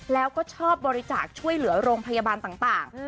แล้วก็ชอบบริจาคช่วยเหลือโรงพยาบาลต่าง